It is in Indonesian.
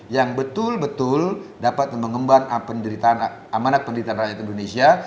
yang betul betul dapat mengembang amanat pendidikan rakyat indonesia